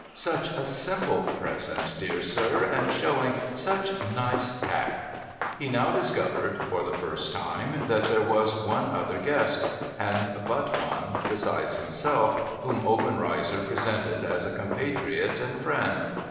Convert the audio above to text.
(' Such a simple present, dear sir ! and showing such nice tact !') He now discovered, for the first time, that there was one other guest, and but one, besides himself, whom Obenreizer pre sented as a compatriot and friend.